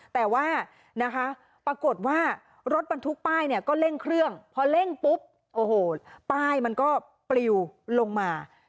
แต่ว่าปรากฏว่ารถบรรทุกป้ายก็เล่นเครื่องพอเล่นปุ๊บป้ายมันก็ปลิวลงมา